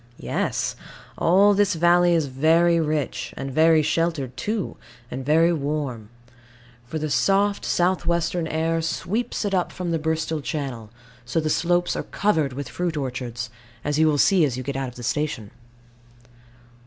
Yes. All this valley is very rich, and very sheltered too, and very warm; for the soft south western air sweeps up it from the Bristol Channel; so the slopes are covered with fruit orchards, as you will see as you get out of the station.